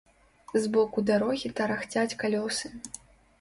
З боку дарогі тарахцяць калёсы.